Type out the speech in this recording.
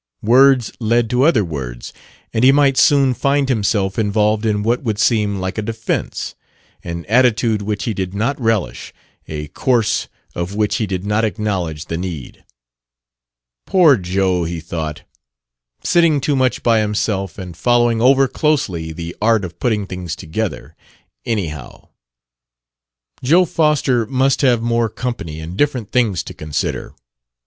Words led to other words, and he might soon find himself involved in what would seem like a defense an attitude which he did not relish, a course of which he did not acknowledge the need. "Poor Joe!" he thought; "sitting too much by himself and following over closely the art of putting things together anyhow!" Joe Foster must have more company and different things to consider.